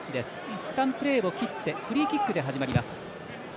いったんプレーを切ってフリーキックで始まります。